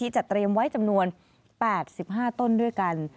จะเตรียมไว้จำนวน๘๕ต้นด้วยกัน